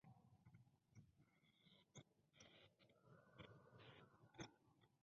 Paolo Rocca es licenciado en Ciencia política de la Universidad de Milán.